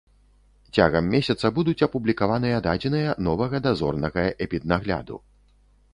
Цягам месяца будуць апублікаваныя дадзеныя новага дазорнага эпіднагляду.